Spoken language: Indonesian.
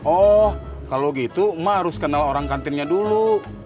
oh kalau gitu ma harus kenal orang kantinnya dulu